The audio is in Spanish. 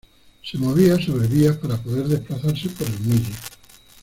Se movía sobre vías para poder desplazarse por el muelle.